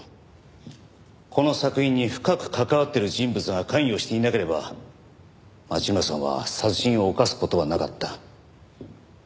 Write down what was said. この作品に深く関わっている人物が関与していなければ町村さんは殺人を犯す事はなかった。